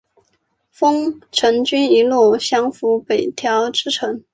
丰臣军一路降伏北条支城。